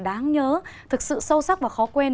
đáng nhớ thực sự sâu sắc và khó quên